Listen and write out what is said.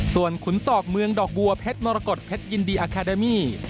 ส่วนขุนศอกเมืองดอกบัวเพชรมรกฏเพชรยินดีอาคาเดมี่